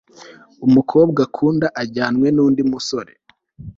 umukobwa akunda ajyanwe nundi musore